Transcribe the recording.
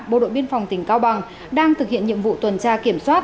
bộ đội biên phòng tỉnh cao bằng đang thực hiện nhiệm vụ tuần tra kiểm soát